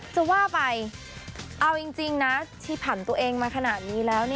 จะว่าไปเอาจริงนะที่ผ่านตัวเองมาขนาดนี้แล้ว